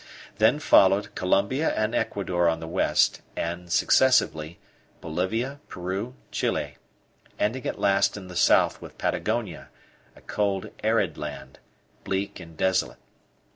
Then followed Colombia and Ecuador on the west; and, successively, Bolivia, Peru, Chile, ending at last in the south with Patagonia, a cold arid land, bleak and desolate.